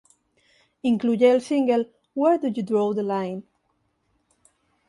Incluye el single "Where Do You Draw the Line?".